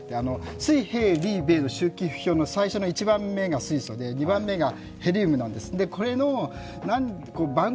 水兵リーベの周期表の１番目が水素で２番目がヘリウムなんです。